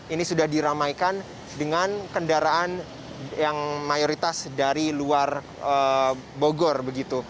ini sudah diramaikan dengan kendaraan yang mayoritas dari luar bogor begitu